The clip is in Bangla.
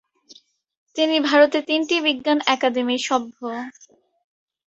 তিনি ভারতের তিনটি বিজ্ঞান একাডেমীর সভ্য।